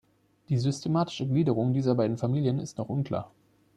Die systematische Gliederung dieser beiden Familien ist noch unklar.